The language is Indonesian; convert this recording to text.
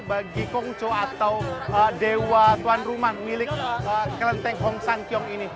bagi kongco atau dewa tuan rumah milik kelenteng hong san kiong ini